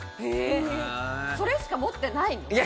それしか持ってないの？